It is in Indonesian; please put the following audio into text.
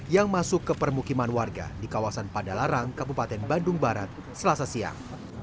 yang masuk ke permukiman warga di kawasan padalarang kabupaten bandung barat selasa siang